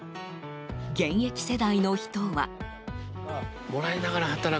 現役世代の人は。